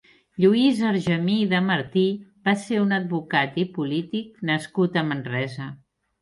Lluís Argemí i de Martí va ser un advocat i polític nascut a Manresa.